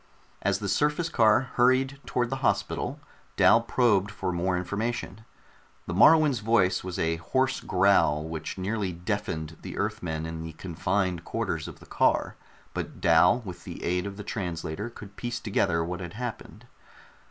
As the surface car hurried toward the hospital, Dal probed for more information. The Moruan's voice was a hoarse growl which nearly deafened the Earthmen in the confined quarters of the car but Dal with the aid of the translator could piece together what had happened.